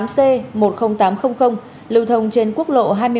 một mươi tám c một mươi nghìn tám trăm linh lưu thông trên quốc lộ hai mươi một a